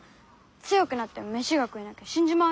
強くなっても飯が食えなきゃ死んじまうよ。